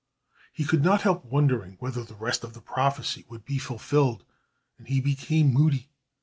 He could not help wondering whether the rest of the prophecy would be fulfilled, and he became moody.